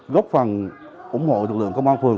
góp phần ủng hộ lực lượng công an phường